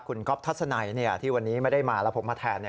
คุณก๊อฟทัศนัยที่วันนี้ไม่ได้มาแล้วผมมาแทน